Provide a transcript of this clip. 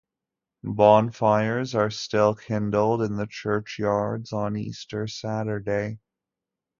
Bonfires are still kindled in the churchyards on Easter Saturday.